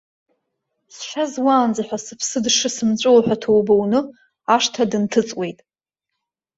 Сшьа зуаанӡа сыԥсы дшысымҵәуо ҳәа ҭоуба уны, ашҭа дынҭыҵуеит.